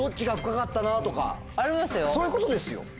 そういうことですよ。